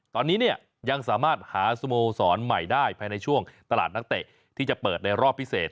ตอนนี้เนี่ยยังสามารถหาสโมสรใหม่ได้ภายในช่วงตลาดนักเตะที่จะเปิดในรอบพิเศษ